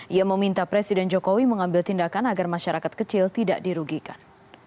ia meminta presiden jokowi mengambil tindakan agar masyarakat kecil tidak dirugikan